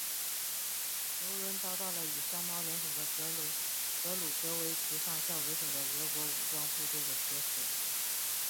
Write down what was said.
油轮遭到了与山猫联手的格鲁格维奇上校为首的俄国武装部队的劫持。